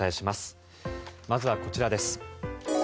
まずは、こちらです。